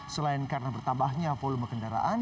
selain karena bertambahnya volume kendaraan